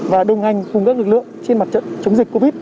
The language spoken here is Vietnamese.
và đồng hành cùng các lực lượng trên mặt trận chống dịch covid